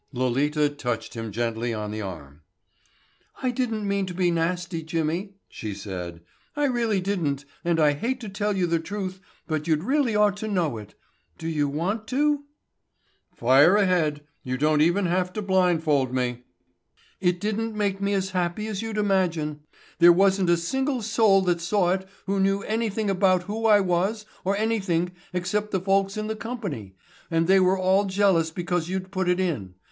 Lolita touched him gently on the arm. "I didn't mean to be nasty, Jimmy," she said. "I really didn't and I hate to tell you the truth, but you'd really ought to know it. Do you want to?" "Fire ahead. You don't even have to blindfold me." "It didn't make me as happy as you'd imagine. There wasn't a single soul that saw it who knew anything about who I was or anything except the folks in the company, and they were all jealous because you'd put it in.